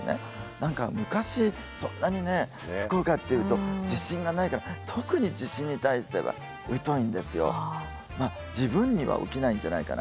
何か昔そんなにね福岡っていうと地震がないから特に地震に対しては疎いんですよ。